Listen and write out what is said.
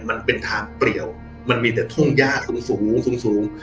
มันเป็นทางเปรียวมันมีแต่ทุ่งย่าสูงสูง